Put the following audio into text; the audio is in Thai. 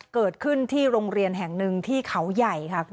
เกิดขึ้นที่โรงเรียนแห่งหนึ่งที่เขาใหญ่ค่ะ